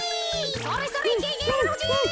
それそれいけいけやまのふじ！